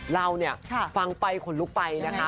เราเนี่ยฟังไปขนลุกไปนะคะ